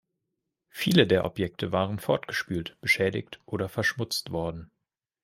Viele der Objekte waren fortgespült, beschädigt oder verschmutzt worden.